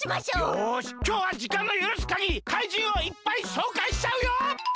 よしきょうはじかんのゆるすかぎり怪人をいっぱいしょうかいしちゃうよ！